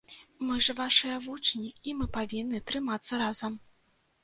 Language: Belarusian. Мы ж вашыя вучні, і мы павінны трымацца разам.